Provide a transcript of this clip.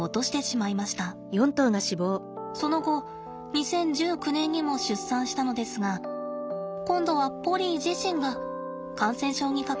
その後２０１９年にも出産したのですが今度はポリー自身が感染症にかかってしまいました。